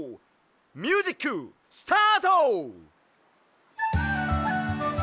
ミュージックスタート！